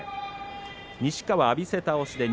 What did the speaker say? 西川、浴びせ倒しです。